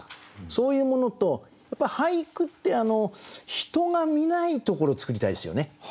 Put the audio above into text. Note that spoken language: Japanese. そういうものとやっぱり俳句って人が見ないところを作りたいですよね。